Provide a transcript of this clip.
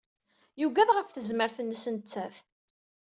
Yugad ɣef tezmert-nnes nettat.